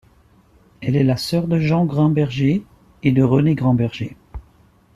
Elle est la sœur de Jean Grumberger et de Renée Grumberger.